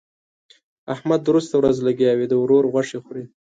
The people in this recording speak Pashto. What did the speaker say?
احمد درسته ورځ لګيا وي؛ د ورور غوښې خوري.